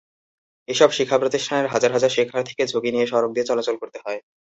এসব শিক্ষাপ্রতিষ্ঠানের হাজার হাজার শিক্ষার্থীকে ঝুঁকি নিয়ে সড়ক দিয়ে চলাচল করতে হয়।